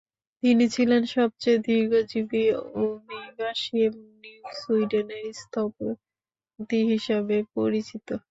তিনি ছিলেন সবচেয়ে দীর্ঘজীবী অভিবাসী এবং 'নিউ সুইডেনের স্থপতি' হিসাবে পরিচিত।